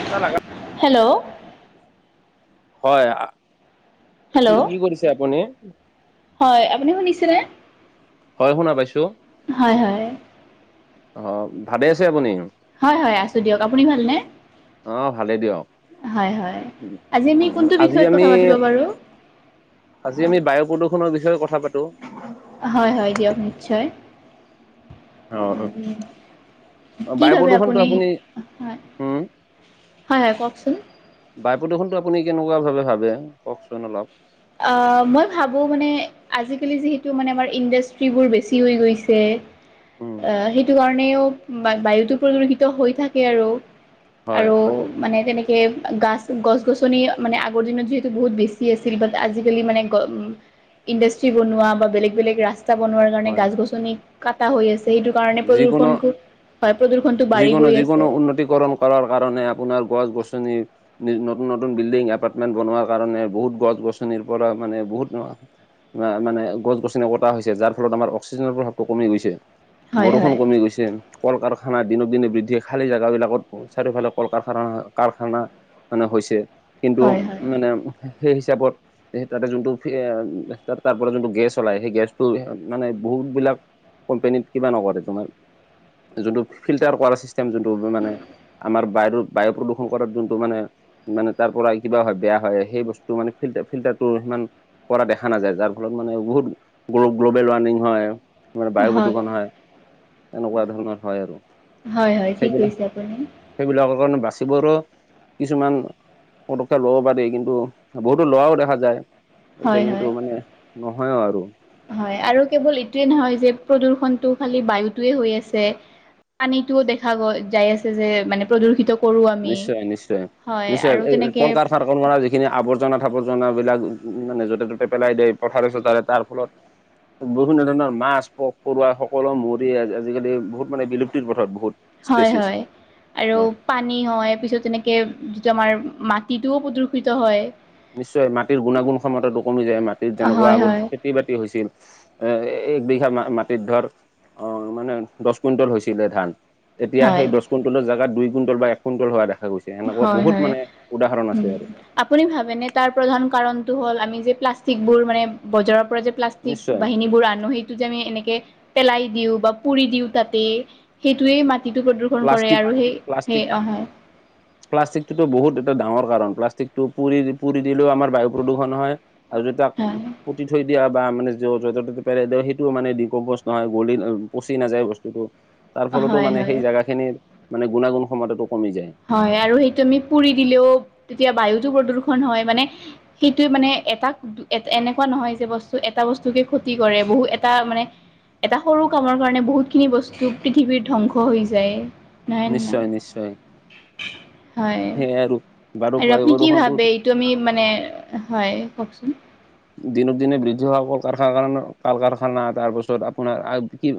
কিবা লাগা হেল্ল'। হয় কি হেল্ল' কি কৰিছে আপুনি? হয় আপুনি শুনিছেনে? হয় শুনা পাইছো। হয় হয়। অ ভালে আছে আপুনি? হয় হয় আছো দিয়ক, আপুনি ভালনে? অ ভালে দিয়ক। হয় হয়, আজি আমি উম কোনটো আজি বিষয়ত আমি কথা পাতিব বাৰু? আজি আমি বায়ু প্ৰদূষণৰ বিষয়ে কথা পাতো। হয় হয় দিয়ক নিশ্চয়। অ কি বায়ু ভাবে প্ৰদূষণটো আপুনি? হয় উম হয় হয় কওকচোন। বায়ু প্ৰদূষণতটো আপুনি কেনেকুৱাভাৱে ভাবে কওকচোন অলপ। অ মই ভাবোঁ মানে আজিকালি যিহেতু মানে আমাৰ ইণ্ডাষ্ট্ৰিবোৰ বেছি হৈ গৈছে। উম আহ সেইটো কাৰণেও বায়ুটো প্ৰদূষিত হৈ থাকে আৰু। হয় আৰু মানে তেনেকে গাছ গছ গছনি মানে আগৰ দিনত যিহেতু বহুত বেছি আছিল আজিকালি মানে গ ইণ্ডাষ্ট্ৰি বনোৱা বা বেলেগ বেলেগ ৰাছ স্তা বনোৱাৰ কাৰণে হয় গছ গছনি কটা হৈ আছে সেইটো কাৰণে যিকোনো প্ৰদূষণটো হয়, প্ৰদূষণটো বাঢ়ি গৈ আছে। কৰম কৰাৰ কাৰণে আপোনাৰ গছ-গছনি - নি নতুন নতুন বিল্ডিং, এপাৰ্টমেন্ট বনোৱাৰ কাৰণে বহুত গছ-গছনিৰ পৰা মানে, বহুত অ'- আ' মানে, গছ-গছনি কটা হৈছে। যাৰ ফলত আমাৰ অক্সিজেনৰ প্ৰভাৱটো কমি গৈছে। হয় বৰষুণ হয় কমি গৈছে। কল-কাৰখানা দিনক দিনে বৃদ্ধি। খালী জেগাবিলাকত চাৰিওফালে কল-কাৰখানা। কাৰখানা - মানে হৈছে। কিন্তু হয় হয় মানে, সেই হিচাপত - সেই তাতে যোনটো পি' আ', তাত তাৰ পৰা যোনটো গেছ ওলাই, সেই গেছটো মানে বহুতবিলাক - কোম্পানীত কিবা নকৰে তোমাৰ, যোনটো ফিল্টাৰ কৰা চিষ্টেম যোনটো মানে, - আমাৰ বায়ুৰু, বায়ু প্ৰদূষণ কৰাত যোনটো মানে - মানে তাৰ পৰাই কিবা হয়, বেয়া হয়। সেই বস্তুটো মানে ফিল্টা, ফিল্টাৰটো সিমান - পৰা দেখা নাযায়। যাৰ ফলত মানে, বহুত গ্ল-গ্ল'বেল ৱাৰ্মিং হয়, মানে বায়ু প্ৰদূষণ হয়। এনেকুৱা ধৰণৰ হয় আৰু। হয় হয়, ঠিক সেইবিলাক কৈছে আপুনি। সেইবিলাকৰ কাৰণে বাচিবৰো কিছুমান- পদক্ষেপ ল'ব পাৰি কিন্তু, বহুতো ল'ৰাও দেখা যায়। হয় এতিয়া কিন্তু হয় মানে, নহয়ও আৰু। হয়। আৰু কেৱল এইটোৱে নহয় যে, প্ৰদূষণটো খালি বায়ুটোৱে হৈ আছে। পানীটোও দেখা গৈ, যাই আছে যে মানে, প্ৰদূষিত - নিশ্চয় নিশ্চয়। নিশ্চয়, এই তেনেকে কল-কাৰখা - খনা যিখিনি আৱৰ্জনা-থাবৰ্জনাবিলাক মানে য'তে-ত'তে পেলাই দে পথাৰে-চথাৰে। তাৰ ফলত - বিভিন্ন ধৰণৰ মাছ, পোক, পৰুৱা সকলো মৰি আজি-আজিকালি বহুত মানে, বিলুপ্তিৰ পথত বহুত। হয় স্পেচিছ হয়। আৰু হয় পানী হয়, পিছত তেনেকে যিটো আমাৰ মাটিটোও প্ৰদূষিত হয়। নিশ্চয়। মাটিৰ গুণাগুণ ক্ষমতাটো কমি যায়, মাটিৰ যেনেকুৱা হয় হয় আগত খে - তি-বাতি হৈছিল। অ' এক বিঘা মাটিত ধৰ - অ' মানে, দহ কুইণ্টল হৈছিলে ধান। এতিয়া হয় সেই দহ কুইণ্টলৰ জেগাত, দুই কুইণ্টল বা এক কুইণ্টল হোৱা দেখা গৈছ - ছে। সেনেকুৱা হয় বহুত হয় মানে, উদাহৰণ উম আছে আৰু। আপুনি ভাবেনে? তাৰ প্ৰধান কাৰণটো হ'ল, আমি যে প্লাষ্টিকবোৰ মানে, বজাৰৰ পৰা যে - প্লাষ্টিক নিশ্চয় বাহিনীবোৰ আনোঁ, সেই - টো যে আমি এনেকে পেলাই দিওঁ, বা পুৰি দিওঁ তাতে, সেইটোৱে মাটিটো প্ৰদূ- ষণ কৰে প্লাষ্টিক আৰু সেই, প্লাষ্টিক সেই অহ। [unintelligible] প্লাষ্টিকটোতো বহুত এটা ডাঙৰ কাৰণ। প্লাষ্টিকটো পুৰি পুৰি দিলেও আমাৰ বায়ু প্ৰদূষণ হয়। আৰু যদি তাক, হয় উম। পুতি থৈ দিয়া, বা মানে য', যতে-ততে পেলাই দিয়া, সেইটোও মানে ডিকম্প'জ নহয়, গলি ম', পচি নাযায় বস্তুটো। তাৰ ফলতো হয় মানে, হয় সেই জেগাখিনিৰ মানে, গুণাগুণ ক্ষমতাটো কমি যায়। হয়, আৰু সেইটো আমি পুৰি দিলেওঁ তেতিয়া বায়ুতো প্ৰদূৰষণ হয়। মানে - সেইটোৱে মানে এটা- দু, এত, এনেকুৱা নহয় যে বস্তু, এটা বস্তুকে ক্ষতি কৰে। বহু এটা মানে- এটা সৰু কামৰ কাৰণে বহুতখিনি বস্তু পৃথিৱীৰ ধ্বংস হৈ যায়। নহয় নে নাই নিশ্চয়, নিশ্চয়। হয়। সেয়াই আৰু বাৰু আৰু বায়ু আপুনি কি প্ৰদূষণটো ভাবে? এইটো আমি মানে, হয়, কওঁকচোন। দিনক দিনে বৃদ্ধি হোৱা কল - কাৰখানাৰ কাৰ কল - কাৰখানা তাৰপাছত আপোনাৰ আৰু কি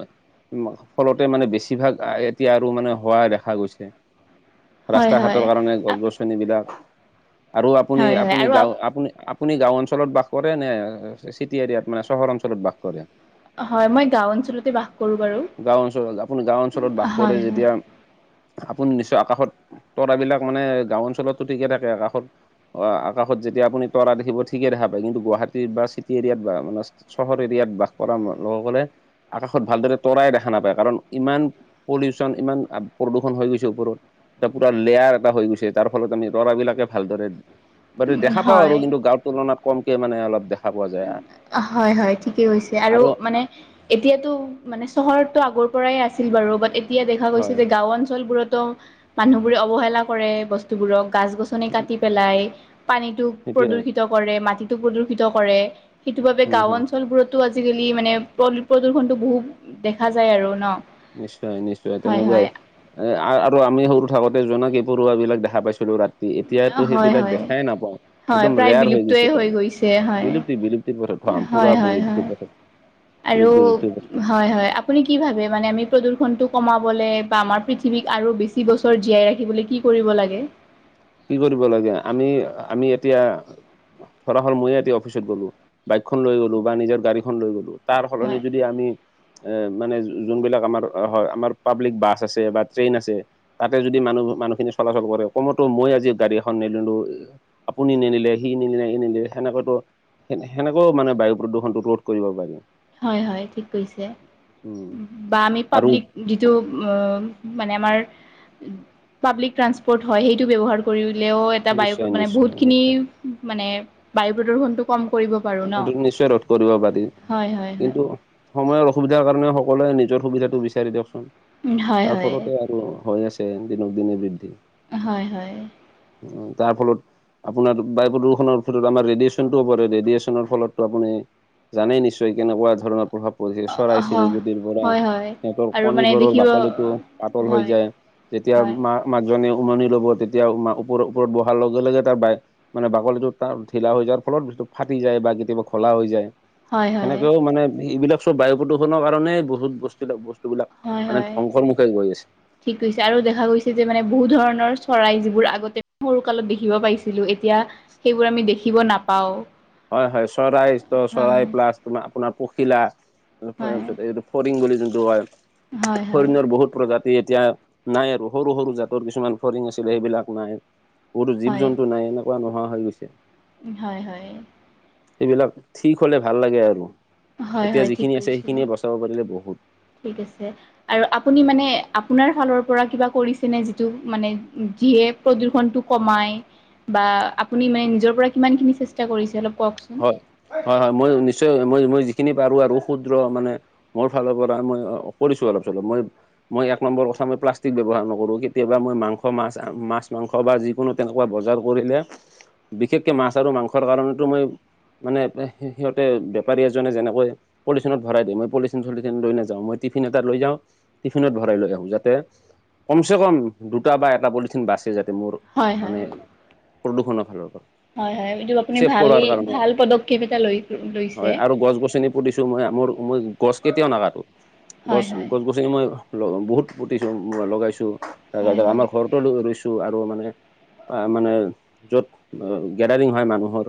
উম ফলতে মানে বেছিভাগ এতিয়া আৰু মানে হোৱা দেখা গৈছে। হয় ৰাস্তা হয় ঘাটৰ কাৰণে গছ -গছনিবিলাক আৰু আপুনি হয় হয় আপুনি আৰু গাওঁ আপুনি আপুনি গাও অঞ্চলত বাস কৰে নে চিটি এৰিয়াত মানে চহৰ অঞ্চলত বাস কৰে? হয় মই গাঁও অঞ্চলতে বাস কৰোঁ বাৰু গাঁও অঞ্চলত, আপুনি গাঁও অঞ্চলত বাস হয় কৰে যেতিয়া আপুনি নিশ্চয় আকাশত তৰাবিলাক মানে গাঁও অঞ্চলতো ঠিকে থাকে, আকাশত অ আকাশত যেতিয়া আপুনি তৰা দেখিব, ঠিকে দেখা পাৱ। কিন্তু গুৱাহাটীত বা চিটি এৰিয়াত বা মানে চহৰ এৰিয়াত বাস কৰা লোকসকলে আকাশত ভালদৰে তৰাই দেখা নাপায় কাৰণ ইমান পলিউচন ইমান প্ৰদূষণ হৈ গৈছে ওপৰত এটা পুৰা লেয়াৰ এটা হৈ গৈছে তাৰ ফলত আমি তৰা বিলাকে ভালদৰে বাৰু হয় দেখা পাওঁ খনআৰু হয় কিন্তু গাঁৱ তুলনাত কমকে মানে অলপ দেখা পোৱা যায় হয় হয় ঠিকেই কৈছে আৰু মানে এতিয়াতো মানে চহৰতটো আগৰ পৰাই আছিল বাৰু বাট এ এতিয়া দেখা গৈছে হয় যে গাঁও অঞ্চলবোৰত ও মানুহবোৰে অৱহেলা কৰে বস্তুবোৰক গাছ গছনি মানে কাটি পেলাই পানীটো সেইটোৱে প্ৰদূষিত কৰে, মাটিটো প্ৰদূষিত কৰে। সেইটো বাবে হম গাঁও হম অঞ্চলবোৰতো আজিকালি মানে প্ৰ প্ৰদূষণটো বহুত দেখা যায় আৰু ন। নিশ্চয় নিশ্চয় হয় তেনেকুৱাই। হয় এ আৰু আমি সৰু থাকোতে জোনাকী পৰুৱাবিলাক দেখা পাইছিলোঁ ৰাতি ই এতিয়াতো হয় সেইবিলাক হয় দেখাই নাপাওঁ, হয় একদম প্ৰায় ৰেয়াৰ হৈ বিলুপ্তয়ে গৈছে আৰু গৈছে হয় বিলুপ্তি হয় হয় হয় বিলুপ্তি। [inaudible] আৰু বিলুপ্তিৰ পথত হয় হয় আপু আপুনি কি ভাবে মানে আমি প্ৰদূষণটো কমাবলে বা আমাৰ পৃথিৱীক আৰু বেছি বছৰ জীয়াই ৰাখিবলৈ কি কৰিব লাগে? কি কৰিব লাগে আমি আমি এতিয়া ধৰা হল ময়ে এতিয়া অফিচত গ'লো, বাইকখন লৈ গ'লো বা নিজৰ গাড়ীখন লৈ গ'লো। তাৰ সলনি হয় যদি আমি এ মানে যোনবিলাক আমাৰ হয়, আমাৰ পাব্লিক বাছ আছে বা ট্ৰেইন আছে তাতে যদি মানুহ মানুহখিনি চলাচল কৰে, কমতো মই আজি গাড়ী এখন নিদিলো আপুনি নিনিলে, সি ননিলে, সি নিদিলে সেনেকাতো সে সেনেকাওঁ মানে বায়ু প্ৰদূষণটো ৰোধ কৰিব পাৰিম। হয় হয় ঠিক কৈছে উম বা আমি আৰু পাব্লিক যিটো আ মানে আমাৰ পাব্লিক ট্ৰানচপৰ্ট হয়, সেইটো ব্যৱহাৰ কৰিলেওঁ এটা বায়ু নিশ্চয় মানে নিশ্চয় বহুতখিনি নিশ্চয় মানে বায়ু প্ৰদূৰণটো কম কৰিব পাৰি। অ সেইটো নিশ্চয় ৰোধ কৰিব পাৰি। হয় হয় কিন্তু সময়ৰ অসুবিধাৰ কাৰণে সকলোৱে নিজৰ সুবিধাটো বিচাৰি দিয়কচোন। হয় তাৰ হয় ফলতে আৰু হৈ আছে দিনক দিনে বৃদ্ধি। হয় হয়। উম, তাৰ ফলত আপোনাৰ বায়ু প্ৰদূষণৰ ভিতৰত আমাৰ ৰেডিয়েচনটো পৰে, ৰেডিয়েচন ফলতটো আপুনি জানেই নিশ্চয় কেনেকুৱা ধৰণৰ প্ৰভাৱ পৰিছে, চৰাই চিৰি কটিৰ পৰা হয় হয় সিহঁতৰ আৰু কণী মানে বোৰৰ দেখিব বাকলিটো পাতল হৈ হয় যায়। যেতিয়া হয় মাঁ মাকজনীয়ে উমনি ল'ব, তেতিয়া ওপৰ ওপৰত বহাৰ লগে লগে তাৰ বাই মানে বাকলিটো তাৰ ঢিলা হৈ যোৱাৰ ফলত ফাটি টি যায় বা কেতিয়াবা ঘোলা হৈ যায়। হয় হয় সেনেকাওঁ মানে এইবিলাক, চব বায়ু প্ৰদূষণৰ কাৰণে বহুত বস্তু বস্তু, হয় হয়। ঠিক কৈছে, আৰু দেখা গৈছে যে মানে বহুত ধৰণৰ চৰাই যিবোৰ আগতে সৰু কালত দেখিব পাইছিলোঁ, এতিয়া সেইবোৰ আমি দেখিব নাপাও। হয় হয়, চৰাই চৰাই প্লাছ, তোমাৰ আপোনাৰ পখিলা, হয় তাপিছত এইটো ফৰিং বুলি যোনটো হয়, হয় হয় ফৰিঙৰ বহুত প্ৰজা তি এতিয়া নাই আৰু, সৰু সৰু জাতৰ কিছুমান ফৰিং আছিলে সেইবিলাক নাই। বহুতো জীৱ হয় জন্তু নাই, এনেকুৱা নোহোৱা হৈ গৈছে। হয় হয়। সেইবিলাক ঠিক হ'লে ভাল লাগে আৰু। হয় এতিয়া হয় ঠিক যিখিনি আছে কৈছে সেইখিনিয়ে বচাব পাৰিলে বহুত। ঠিক আছে। আৰু আপুনি মানে আপোনাৰ ফালৰ পৰা কিবা কৰিছেনে, যিটো মানে যিয়ে প্ৰদূষণটো কমায়, বা আপুনি মানে নিজৰ পৰা কিমানখিনি চেষ্টা কৰিছে অলপ কওকচোন। হয় হয়, মই নিশ্চয় মই মই যিখিনি পাৰো আৰু ক্ষুদ্ৰ মানে মোৰ ফালৰ পৰা মই কৰিছো অলপ চলপ, মই মই এক নম্বৰ কথা মই প্লাষ্টিক ব্যৱহাৰ নকৰোঁ কেতিয়াবা মই মংস মাছ, মাছ মাং স বা যিকোনো তেনেকুৱা বজাৰ কৰিলে, বিশেষকৈ মাছ আৰু মাংসৰ কাৰণেতো মই মানে সি-সি-সিহঁতে বেপাৰী এজনে যেনেকৈ পলিথিনত ভৰাই দিয়ে, মই পলিথিন চলিথিন লৈ নাযাও মই টিফিন এটা লৈ যাওঁ টিফিনত ভৰাই লৈ আহো যাতে, কম চে কম দুটা বা এটা পলিথিন বাচে যাতে মোৰ হয় হয় মানে প্ৰদূষণৰ ফালৰ পৰা। হয় হয়, এইটো আপুনি ছেভ ভাল কৰাৰ কাৰণে ভাল পদক্ষেপ এটা লৈ লৈছে হয় আৰু গছ গছনি পুতিছো মই মোৰ মই গছ কেতিয়াও নাকাতো, গছ হয় হয় গছ গ [unintelligible] বহুত পুটিছো লগাইছো, হয় তাৰপিছত আমাৰ হয় ঘৰ ৰুইছোঁ আৰু মানে মানে য'ত গেডাৰিং হয় মানুহৰ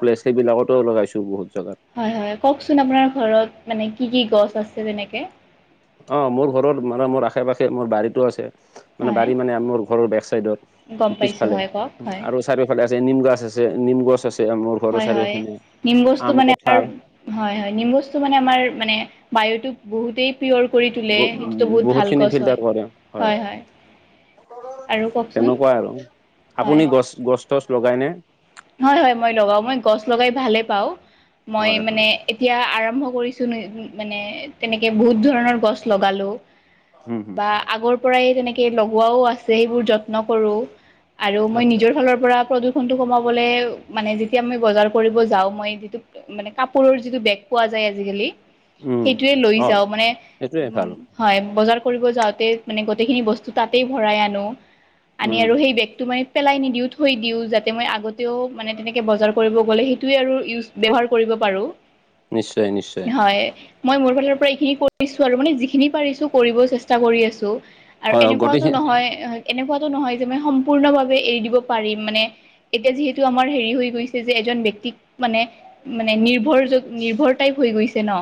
প্লেছ সেইবিলাকতো লগাইছো বহুত জাগাত। হয় হয়, কওকচোন আপোনাৰ ঘৰত মানে কি কি গছ আছে তেনেকে। অ মোৰ ঘৰত মানে মোৰ আশে পাশে মোৰ বাৰীতো আছে। মানে হয় বাৰী মানে মোৰ ঘৰৰ বেক চাইডত গম পাইছোঁ পিছফালে হয় কওক হয় আৰু চাৰিওফালে আছে, নিম গছ আছে, নিম গছ আছে মোৰ। ঘৰৰ হয় হয়, চাৰিওফালে নিম গছটো আম মানে কঁঠাল [unintelligible] হয় হয় নিম গছটো মানে আমাৰ মানে বায়ুতোক বহুতেই পিয়ৰ কৰি তোলে ব সেইটোতো বহুত ভাল বহুতখিনি গছ হয় ফিল্টাৰ কৰে হয়। আৰু কওকচোন তেনেকুৱা আৰু, হয় আপুনি গছ গছ তছ লগাই নে? হয় হয়, মই লগাওঁ, মই গছ লগাই ভালেই পাওঁ, মই হয় মানে হয় এতিয়া আৰম্ভ কৰিছো মানে তেনেকে বহুত ধৰণৰ গছ লগালো। হম হম বা আগৰ পৰাই তেনেকে লগোৱাও আছে, সেইবোৰ যত্ন কৰো। আৰু মই আচ্ছা নিজৰ আচ্ছা ফালৰ পৰা প্ৰদূষণটো কমাব লে মানে যেতিয়া আমি বজাৰ কৰিব যাওঁ, মই যিটো মানে কাপোৰৰ যিটো বেগ পোৱা যায় আজিকালি, উম সেইটোৱে লৈ অ যাও মানে সেইটোৱে ভাল উম হয়, বজাৰ কৰিব যাওঁতে মানে গোটেইখিনি বস্তু তাতেই ভৰাই আনো। আনি উম আৰু সেই বেগটো মানে পেলাই নিদিও, থৈ দিওঁ যাতে মই আগত তেও মানে তেনেকে বজাৰ কৰিব গ'লে সেইটোয়ে আৰু ইউজ ব্যৱহাৰ কৰিব পাৰো। নিশ্চয় নিশ্চয় হয়। মই মোৰ ফালৰ পৰা এইখিনি কৰিছো আৰু, মানে যিখিনি পাৰিছো কৰিব চেষ্টা কৰি আছো। আৰু হয় এনেকুৱাতো গোটেইখিনি নহয় এনেকুৱাটো নহয় যে মই সম্পূৰ্ণভাৱে এৰি দিব পাৰিম, মানে এতিয়া যিহেতু- টো আমাৰ হেৰি হৈ গৈছে যে এজন ব্যক্তিক মানে, মানে নিৰ্ভৰ যা নিৰ্ভৰ টাইপ হৈ গৈছে ন।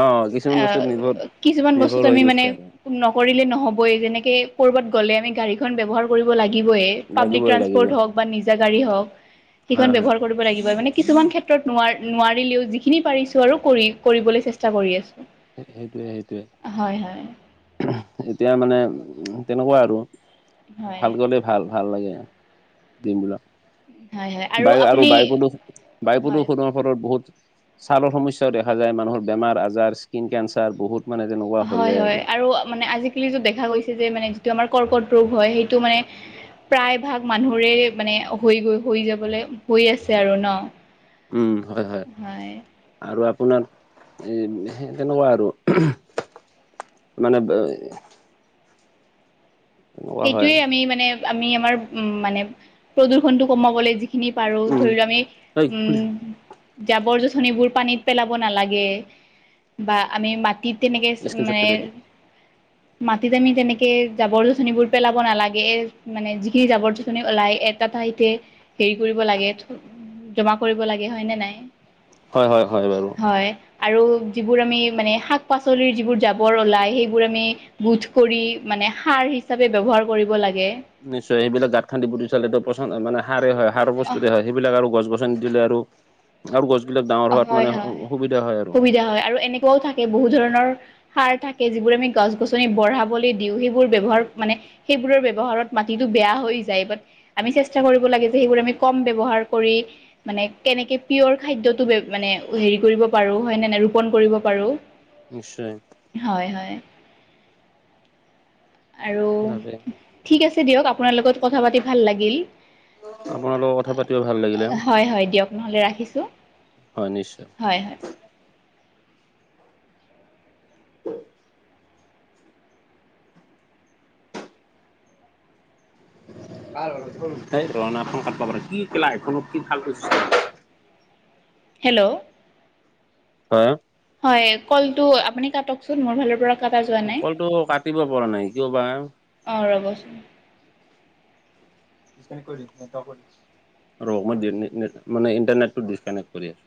অ কিছুমান আহ বস্তুত নিৰ্ভৰ কিছুমান বস্তুত নিৰ্ভৰ হৈ আমি মানে, গৈছে আৰু নকৰিলে নহ'বই, যেনেকে কৰবাত গ'লে আমি গাড়ীখন ব্যৱহাৰ কৰিব লাগিবইে। পাব্লিক লাগিবই লাগিব ট্ৰান্সপৰ্ট হওক বা নিজা গাড়ী হওক সেইখন হয় হয় ব্যৱহাৰ, কৰিব লাগিব, মানে কিছুমান ক্ষেত্ৰত ন নোৱাৰিলেও যিখিনি পাৰিছো আৰু কৰি কৰিবলৈ চেষ্টা কৰি আছো। সেইটোৱে সেইটোৱে, এতিয়া মানে উম তেনেকুৱা আৰু হয় ভাল গ'লে, ভাল ভাল লাগে দিন বিলাক। হয় হয় বায়ু আৰু আপুনি বায়ু প্ৰদূ বায়ু হয় প্ৰদূষণৰ- ফলত বহুত ছালৰ সমস্যাও দেখা যায় মানুহৰ বেমাৰ-আজাৰ স্কিন, কেঞ্চাৰ বহুত- মানে তেনেকুৱা হৈ হয় যায় হয় আৰু মানে আজিকালি য'ত দেখা গৈছে যে মানে যিটো আমাৰ কৰ্কট ৰোগ হয়, সেইটো মানে- প্ৰায় ভাগ মানুহৰে মানে হৈ গৈ হৈ যাবলৈ হৈ আছে আৰু ন। উম হয় হয়। আৰু আপোনাৰ এ সেই তেনেকুৱা আৰু, মানে- তেনেকুৱা হয় সেইটোয়ে আমি মানে আমি আমাৰ উম মানে প্ৰদূষণতটো কমাবলৈ- যিখিনি পাৰো উম ধৰি লো আমি এই খুলিছো উম- জাবৰ যোথনিবোৰ পানীত পেলাব নালাগে বা আমি মাত- টিত তেনেকে স্ক্ৰীনশ্বট মানে কাটি কাটি মাটিত আমি তেনেকে জাবৰ যোচনীবোৰ, পেলাব নালাগে এ মানে যিখিনি জাবৰ যিখিনি ওলাই এটা ঠাইতে হেৰি কৰিব লাগে জমা কৰিব লাগে হয়নে নাই, হয় হয় হয় বাৰু। হয়, আৰু যিবোৰ আমি মানে শাক-পাচলিৰ যিবোৰ জাবৰ ওলায় সেইবোৰ আমি- বোধ কৰি মানে সাৰ হিচাপে ব্যৱহাৰ কৰিব লাগে। নিশ্চয় সেইবিলাক গাঁত খান্দি পুতি থলে এইটো পচন্দ হয়, মানে সাৰে হয়, সাৰৰ প্ৰস্তুতে হয় সেইবিলাক আৰু গছ গছ- গ নি দিলে আৰু আৰু গছবিলাক ডাঙৰ হোৱাত মানে সুবিধা হয় আৰু দিয়া হয় আৰু এনেকে, ও থাকে বহুত ধৰণৰ, সাৰ থাকে যিবোৰ আমি গছ-গছনি বঢ়াবলৈ দিওঁ, সেইবোৰ ব্যৱহাৰ মানে সেইবোৰৰ ব্যৱহাৰত মাটিতো বেয়া হৈ যায়, বাত আমি চেষ্টা কৰিব লাগে যে সেইবোৰ আমি কম ব্যৱহাৰ কৰি, মানে কেনেকে পিয়ৰ খাদ্য- মানে হেৰি কৰিব পাৰো হয়নে নাই, ৰোপন কৰিব পাৰো। নিশ্চয়, হয় হয়, আৰু তাকে ঠিক আছে দিয়ক, আপোনাৰ লগত কথা পাতি ভাল লাগিল। আপোনাৰ লগত কথা পাতিও ভাল লাগিলে হয় হয় দিয়ক নহ'লে ৰাখিছো। হয় নিশ্চয়। উ [unintelligible] ৰনা খন কাট [unintelligible] খোৱাব লাগে কি লা এইখনত কি [unintelligible] হেল্ল' হয়, হয় কলটো আপুনি কাটকচোন মোৰ ফালৰ পৰা, কটা যোৱা নাই কলটো কাটিব পৰা নাই কিয়বা? অঁ ৰ'বচোন, ডিচকানেক্ট কৰি দি, ৰ মানে নেটো মানে ইণ্টাৰনেট টো ডিচকানেক্ট কৰি আছো।